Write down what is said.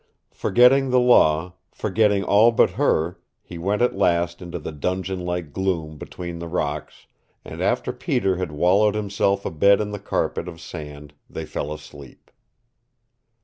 Forgetting the law, forgetting all but her, he went at last into the dungeon like gloom between the rocks, and after Peter had wallowed himself a bed in the carpet of sand they fell asleep.